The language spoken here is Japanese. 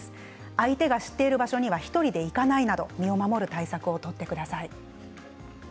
相手が知っている場所には１人で行かないなど身を守る対策を取ってください。